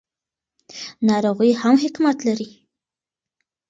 ناروغي هم حکمت لري.